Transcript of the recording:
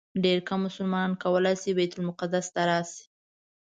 ډېر کم مسلمانان کولی شي بیت المقدس ته راشي.